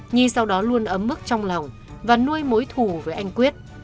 nhi sau đó luôn ấm mức trong lòng và nuôi mối thù với anh quyết